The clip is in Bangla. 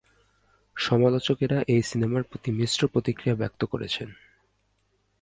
সমালোচকরা এই সিনেমার প্রতি মিশ্র প্রতিক্রিয়া ব্যক্ত করেছেন।